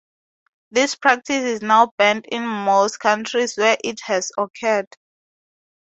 This practice is now banned in most countries where it has occurred.